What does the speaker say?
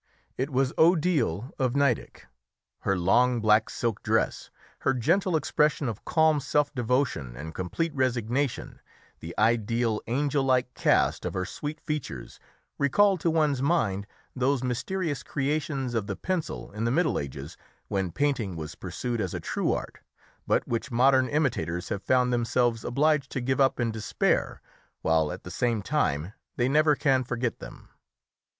It was Odile of Nideck. Her long black silk dress, her gentle expression of calm self devotion and complete resignation, the ideal angel like cast of her sweet features, recalled to one's mind those mysterious creations of the pencil in the Middle Ages when painting was pursued as a true art, but which modern imitators have found themselves obliged to give up in despair, while at the same time they never can forget them.